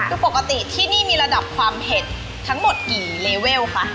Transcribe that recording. คือปกติที่นี่มีระดับความเผ็ดทั้งหมดกี่เลเวลคะ